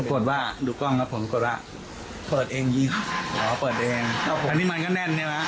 ผมกดว่าดูกล้องครับผมกดว่าเปิดเองอีกครับอ๋อเปิดเองครับผมทั้งที่มันก็แน่นเนี้ยนะ